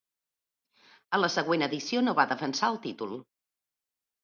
En la següent edició no va defensar el títol.